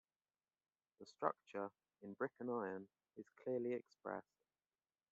The structure, in brick and iron, is clearly expressed.